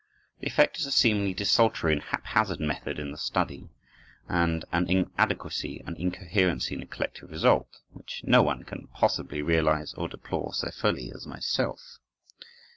The effect is a seemingly desultory and haphazard method in the study, and an inadequacy and incoherency in the collective result, which no one can possibly realize or deplore so fully as myself.